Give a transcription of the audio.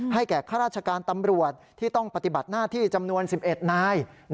แก่ข้าราชการตำรวจที่ต้องปฏิบัติหน้าที่จำนวน๑๑นาย